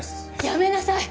やめなさい！